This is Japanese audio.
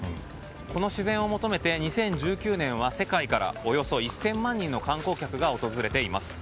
この自然を求めて２０１９年は世界からおよそ１０００万人の観光客が訪れています。